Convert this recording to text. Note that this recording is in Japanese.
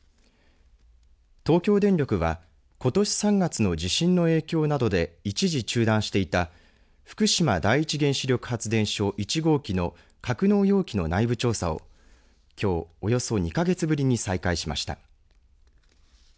東京電力はことし３月の地震の影響などで一時中断していた福島第一原子力発電所１号機の格納容器の内部調査をきょう、およそ２か月ぶりに再開しました。